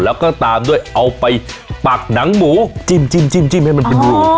แล้วก็ตามด้วยเอาไปปักหนังหมูจิ้มให้มันเป็นรู